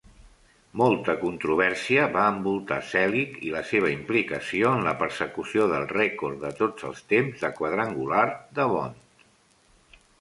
Molta controvèrsia va envoltar Selig i la seva implicació en la persecució del rècord de tots els temps de quadrangular de Bond.